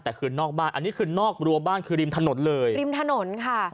แต่คือนอกบ้านอันนี้คือนอกรัวบ้านคือริมถนนเลยริมถนนค่ะ